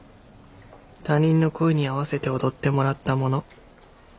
他人の声に合わせて踊ってもらったもの。